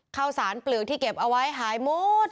ข้าวสารเปลือกที่เก็บเอาไว้หายหมด